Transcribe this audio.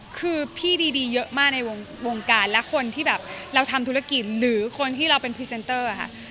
คือพี่ดีเยอะมากในวงการและคนที่แบบเราทำธุรกิจหรือคนที่เราเป็นพรีเซนเตอร์ค่ะ